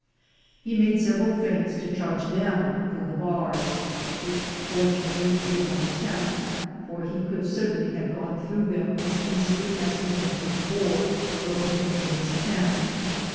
He made several feints to charge them through the bars, which, fortunately, he did not attempt, for he could certainly have gone through them as easily as he had before broken into his pen.